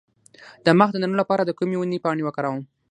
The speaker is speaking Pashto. د مخ د دانو لپاره د کومې ونې پاڼې وکاروم؟